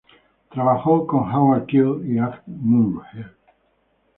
Trabajó con Howard Keel y Agnes Moorehead.